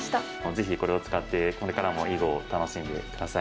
ぜひこれを使ってこれからも囲碁を楽しんで下さい。